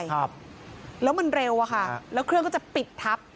ครับแล้วมันเร็วอะค่ะแล้วเครื่องก็จะปิดทับ